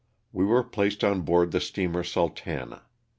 We were placed on board the steamer '' Sul tana."